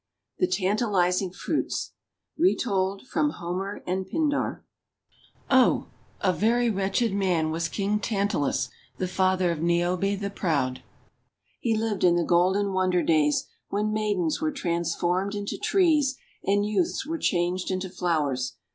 THE TANTALIZING FRUITS Retold from Homer and Pindar OH, a very wretched man was King Tantalus the father of Niobe the Proud. He lived in the golden wonder days when maidens were trans formed into trees, and youths were changed into flowers.